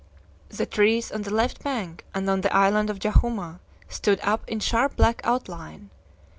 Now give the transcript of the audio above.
The trees on the left bank and on the island of Jahuma stood up in sharp black outline.